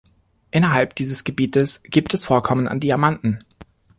Innerhalb dieses Gebiets gibt es Vorkommen an Diamanten.